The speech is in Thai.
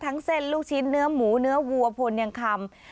เส้นลูกชิ้นเนื้อหมูเนื้อวัวพลยังคำ